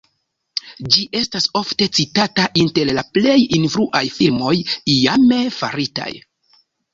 Ĝi estas ofte citata inter la plej influaj filmoj iame faritaj.